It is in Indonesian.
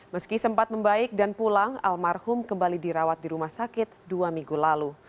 meski sempat membaik dan pulang almarhum kembali dirawat di rumah sakit dua minggu lalu